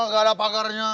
nggak ada pakarnya